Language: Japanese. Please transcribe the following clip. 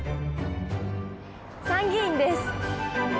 参議院です！